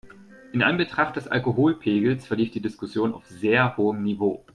In Anbetracht des Alkoholpegels verlief die Diskussion auf sehr hohem Niveau.